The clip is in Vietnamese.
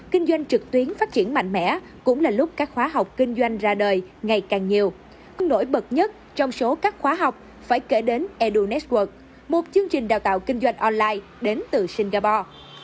kinh doanh trực tuyến phát triển mạnh mẽ cũng là lúc các khóa học kinh doanh ra đời ngày càng nhiều cũng nổi bật nhất trong số các khóa học phải kể đến edunes quật một chương trình đào tạo kinh doanh online đến từ singapore